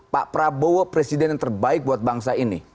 pak prabowo presiden yang terbaik buat bangsa ini